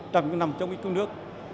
trong những năm chống mỹ cứu nước